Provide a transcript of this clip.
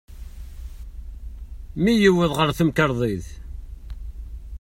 Mi yewweḍ ɣer temkerḍit.